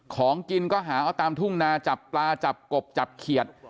ของกินก็หาเอาตามทุ่งนาจับปลาจับกบจับเขียด